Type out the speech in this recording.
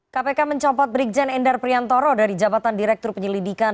kpk mencopot brigjen endar priantoro dari jabatan direktur penyelidikan